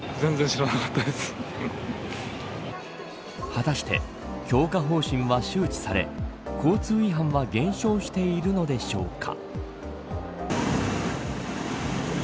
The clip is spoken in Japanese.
果たして、強化方針は周知され交通違反は減少しているのでしょうか。